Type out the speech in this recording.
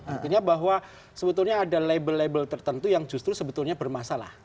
artinya bahwa sebetulnya ada label label tertentu yang justru sebetulnya bermasalah